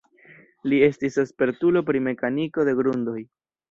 Li estis spertulo pri mekaniko de grundoj.